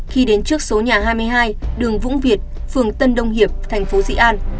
khi đến trước số nhà hai mươi hai đường vũng việt phường tân đông hiệp thành phố dĩ an